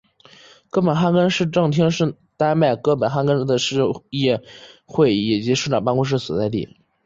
哥本哈根市政厅是丹麦哥本哈根的市议会以及市长办公室所在地。